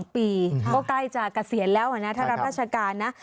ปีก็ใกล้จะเกษียณแล้วนะถ้ารับราชการนะ